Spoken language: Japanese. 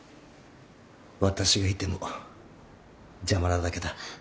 私がいても邪魔なだけだ。